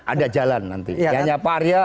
ada jalan nanti hanya pak arya